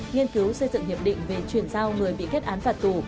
nghiên cứu xây dựng hiệp định về chuyển giao người bị kết án phạt tù